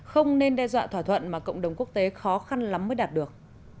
không nên đe dọa thỏa thuận mà cộng đồng quốc tế khó khăn lắm mới đạt được